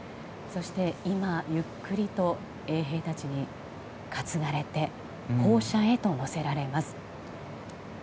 そして、ゆっくりと衛兵たちに担がれて砲車へと乗せられていきます。